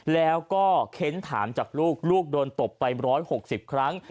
แล้วก็เค้นถามจากลูกลูกโดนตบไป๑๖๐ครั้ง